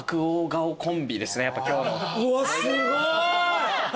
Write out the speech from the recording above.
うわすごい！